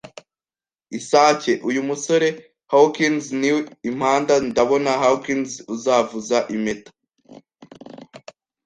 isake. Uyu musore Hawkins ni impanda, ndabona. Hawkins, uzavuza impeta